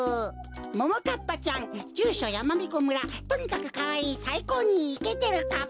ももかっぱちゃんじゅうしょやまびこ村とにかくかわいいさいこうにイケてるかっぱ。